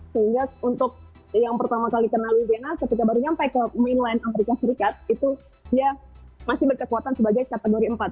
sehingga untuk yang pertama kali kenal luizena ketika baru nyampe ke minland amerika serikat itu dia masih berkekuatan sebagai kategori empat